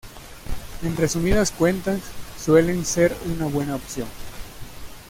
En resumidas cuentas, suelen ser una buena opción